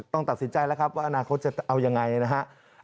ต้องตัดสินใจแล้วครับว่าอนาคตจะเอายังไงนะฮะ